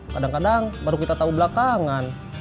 kadang kadang baru kita tahu belakangan